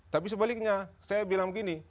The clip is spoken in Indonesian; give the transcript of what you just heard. tapi sebaliknya saya bilang gini